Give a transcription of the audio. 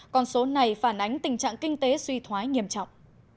con số này phản ánh tình trạng kinh tế suy thoái nghiêm trọng